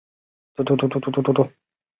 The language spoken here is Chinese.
之后到法国表演。